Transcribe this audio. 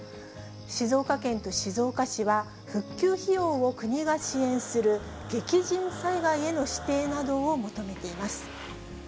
静岡県と静岡市は、復旧費用を国が支援する激甚災害への指定などを求めています。